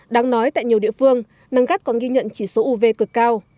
đáng nói tại nhiều địa phương nắng gắt còn ghi nhận chỉ số uv cực cao